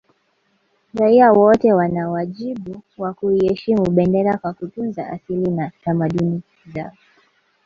Raia wote wana wajibu wa kuiheshimu bendera kwa kutunza asili na tamaduni zao